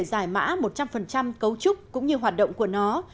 giải mã một trăm linh cấu trúc cũng như hoạt động của nó